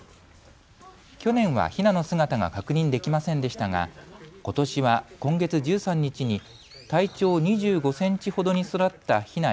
去年はヒナの姿が確認できませんでしたがことしは今月１３日に体長２５センチほどに育ったヒナ